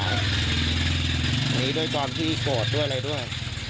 อันนี้ด้วยความที่โกรธด้วยอะไรด้วย